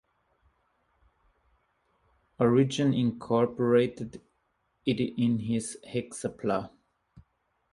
Origen incorporated it in his "Hexapla".